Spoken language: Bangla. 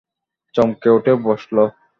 চমকে উঠে বসল।